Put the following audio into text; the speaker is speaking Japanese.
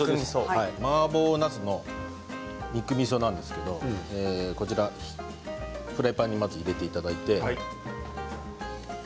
マーボーなすの肉みそなんですけどこちら、フライパンにまず入れていただいて。